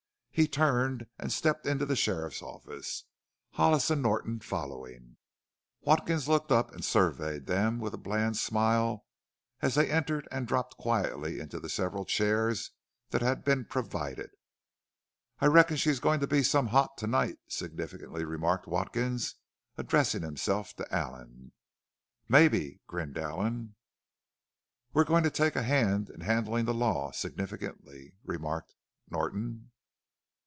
He turned and stepped into the sheriff's office, Hollis and Norton following. Watkins looked up and surveyed them with a bland smile as they entered and dropped quietly into the several chairs that had been provided. "I reckon she's goin' to be some hot tonight?" significantly remarked Watkins, addressing himself to Allen. "Maybe," grinned Allen. "We're goin' to take a hand in handlin' the Law," significantly remarked Norton.